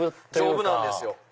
丈夫なんですよ。